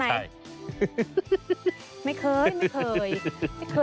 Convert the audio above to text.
ไม่เคยไม่เคย